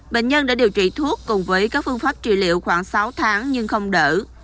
bệnh nhân đã điều trị thuốc cùng với các phương pháp trị liệu khoảng sáu tháng nhưng không đỡ